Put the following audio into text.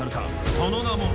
その名も。